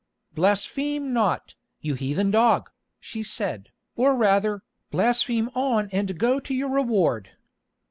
"Blaspheme not, you heathen dog!" she said, "or rather, blaspheme on and go to your reward!